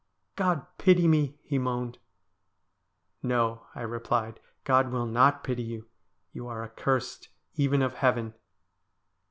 ' God pity me !' he moaned. ' No,' I replied, ' God will not pity yon. You are accursed even of Heaven.'